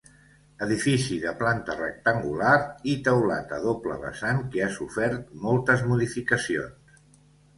Edifici de planta rectangular i teulat a doble vessant que ha sofert moltes modificacions.